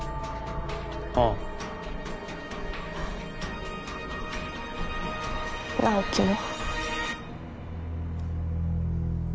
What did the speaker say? ああ直木も？